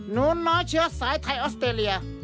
หนูน้อยเชื้อสายไทยออสเตรเลีย